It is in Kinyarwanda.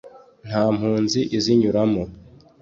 nta mpunzi izinyuramo